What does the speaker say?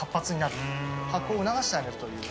発酵を促してあげるという。